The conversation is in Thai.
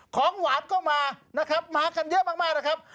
ของหวานก็มานะครับมากันเยอะมากนะครับ